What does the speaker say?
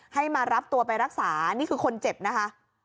ให้มารับตัวไปรักษานี่คือคนเจ็บนะคะ